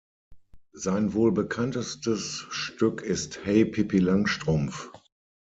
Sein wohl bekanntestes Stück ist "Hey, Pippi Langstrumpf.